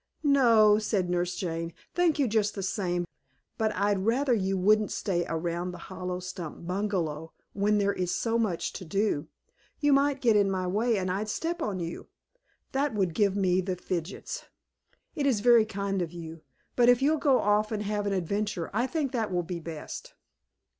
"No," said Nurse Jane. "Thank you just the same, but I'd rather you wouldn't stay around the hollow stump bungalow when there is so much to do. You might get in my way and I'd step on you. That would give me the fidgets. It is very kind of you, but if you'll go off and have an adventure I think that will be best."